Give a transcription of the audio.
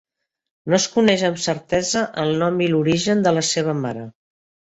No es coneix amb certesa el nom i l'origen de la seva mare.